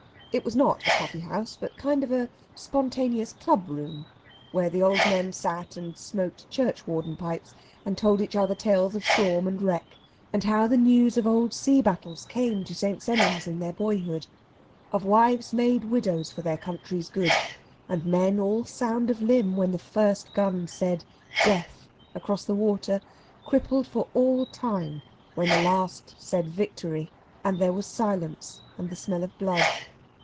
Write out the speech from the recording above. It was not a coffeehouse, but a kind of spontaneous club room, where the old men sat and smoked churchwarden pipes, and told each other tales of storm and wreck, and how the news of old sea battles came to St. Sennans in their boyhood; of wives made widows for their country's good, and men all sound of limb when the first gun said "Death!" across the water, crippled for all time when the last said "Victory!" and there was silence and the smell of blood.